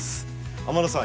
天野さん